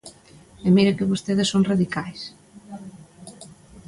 ¡E mire que vostedes son radicais!